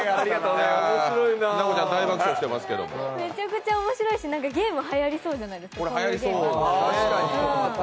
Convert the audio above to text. めちゃくちゃ面白いし、こういうゲーム、はやりそうじゃないですか？